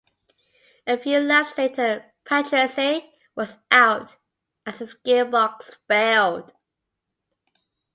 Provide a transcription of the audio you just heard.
A few laps later Patrese was out as his gearbox failed.